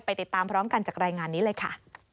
ติดตามพร้อมกันจากรายงานนี้เลยค่ะ